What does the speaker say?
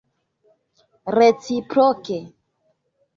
reciproke